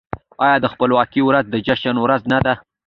آیا د خپلواکۍ ورځ د جشن ورځ نه ده؟